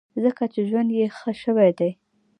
ځکه چې ژوند یې ښه شوی دی.